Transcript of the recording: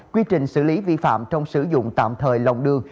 quy trình xử lý vi phạm trong sử dụng tạm thời lòng đường